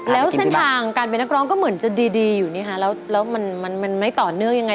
แล้วเส้นทางการเป็นนักร้องก็เหมือนจะดีอยู่นี่ฮะแล้วมันไม่ต่อเนื่องยังไง